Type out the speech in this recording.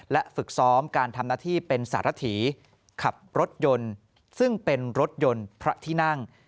และฝึกซ้อมการทำหน้าที่เป็นสารถีขับรถยนต์ซึ่งเป็นรถยนต์พระที่นั่ง